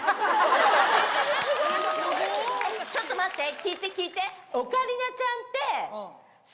ちょっと待って聞いて聞いて。